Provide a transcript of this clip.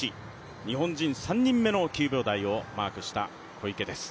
日本人３人目の９秒台をマークした小池です。